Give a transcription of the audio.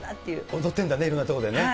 踊ってるんだね、いろんな所でね。